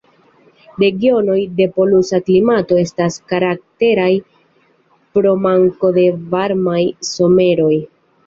Regionoj de polusa klimato estas karakteraj pro manko de varmaj someroj.